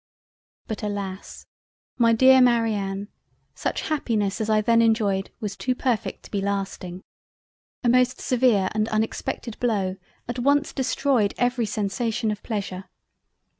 But alas! my Dear Marianne such Happiness as I then enjoyed was too perfect to be lasting. A most severe and unexpected Blow at once destroyed every sensation of Pleasure.